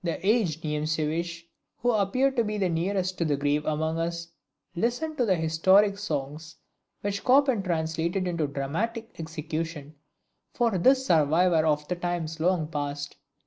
The aged Niemcevicz, who appeared to be the nearest to the grave among us, listened to the "Historic Songs" which Chopin translated into dramatic execution for this survivor of times long past.